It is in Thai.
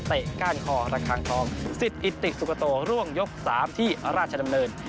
เตะก้านคอรักษังทองสิทธิสุกตัวร่วงยก๓ที่ราชดำเนิน